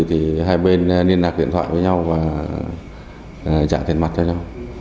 thì hai bên liên lạc điện thoại với nhau và trả tiền mặt cho nhau